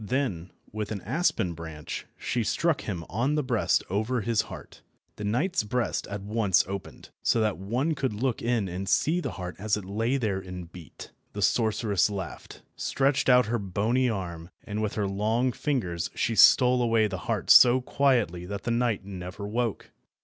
Then, with an aspen branch, she struck him on the breast over his heart. The knight's breast at once opened, so that one could look in and see the heart as it lay there and beat. The sorceress laughed, stretched out her bony arm, and with her long fingers she stole away the heart so quietly that the knight never woke.